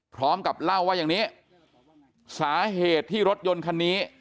พร้อมกับเล่าว่าอย่างนี้สาเหตุที่รถยนต์คันนี้